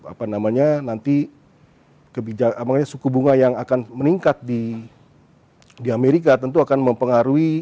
apa namanya nanti suku bunga yang akan meningkat di amerika tentu akan mempengaruhi